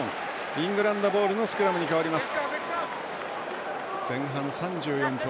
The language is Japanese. イングランドボールのスクラムに変わります。